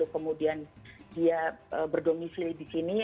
kemudian dia berdomisili di sini